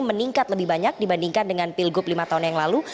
meningkat lebih banyak dibandingkan dengan pilgub lima tahun yang lalu